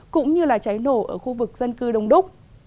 cũng như cháy nổ ở khu vực dân cư đông đúc